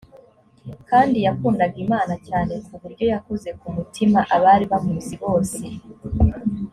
kandi yakundaga imana cyane ku buryo yakoze ku mutima abari bamuzi bose